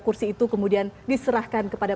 kursi itu kemudian diserahkan kepada